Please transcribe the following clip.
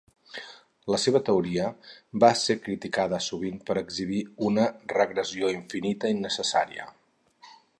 La seva teoria va ser criticada sovint per exhibir una regressió infinita innecessària.